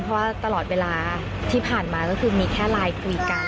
เพราะว่าตลอดเวลาที่ผ่านมาก็คือมีแค่ไลน์คุยกัน